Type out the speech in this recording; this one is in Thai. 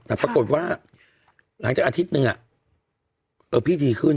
แต่ปรากฏว่าหลังจากอาทิตย์นึงพี่ดีขึ้น